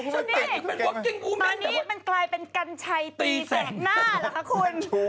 ช่างแต่นี่เป็นวัคเกงอูเมนตอนนี้มันกลายเป็นกันชัยตีแสดหน้าหรอค่ะคุณ